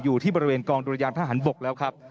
อยู่ที่บริเวณกองดุรยางทหารบกแล้วครับ